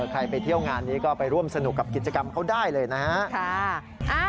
ใครไปเที่ยวงานนี้ก็ไปร่วมสนุกกับกิจกรรมเขาได้เลยนะฮะ